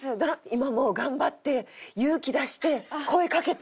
「今も頑張って勇気出して声かけて」。